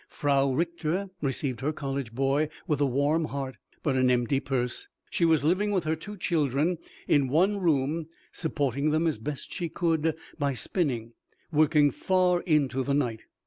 Frau Richter received her college boy with a warm heart, but an empty purse. She was living with her two children in one room, supporting them as best she could by spinning, working far into the night.